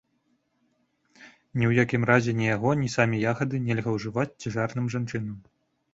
Ні ў якім разе ні яго, ні самі ягады нельга ўжываць цяжарным жанчынам.